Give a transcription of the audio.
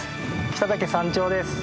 北岳山頂です。